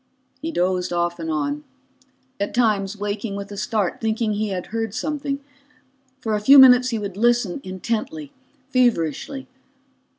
He dozed off and on, at times waking with a start, thinking he had heard something. For a few minutes he would listen intently, feverishly.